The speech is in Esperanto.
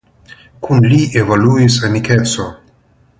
Kun li evoluis amikeco.